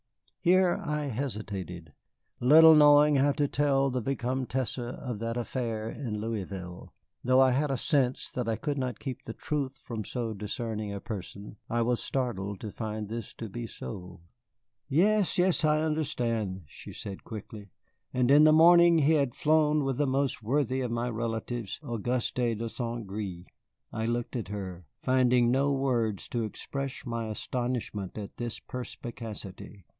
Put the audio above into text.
Here I hesitated, little knowing how to tell the Vicomtesse of that affair in Louisville. Though I had a sense that I could not keep the truth from so discerning a person, I was startled to find this to be so. "Yes, yes, I understand," she said quickly. "And in the morning he had flown with that most worthy of my relatives, Auguste de St. Gré." I looked at her, finding no words to express my astonishment at this perspicacity.